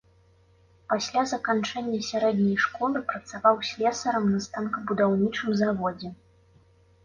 Пасля заканчэння сярэдняй школы працаваў слесарам на станкабудаўнічым заводзе.